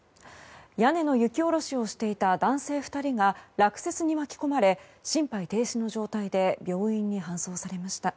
屋根の雪下ろしをしていた男性２人が落雪に巻き込まれ心肺停止の状態で病院に搬送されました。